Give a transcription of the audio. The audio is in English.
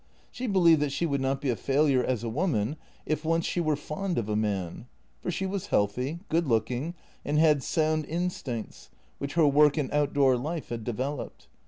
She believed that she would not be a failure as a woman, if once she were fond of a man, for she was healthy, good looking, and had sound instincts, which her work and outdoor life had developed.